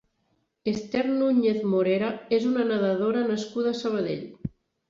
Esther Núñez Morera és una nedadora nascuda a Sabadell.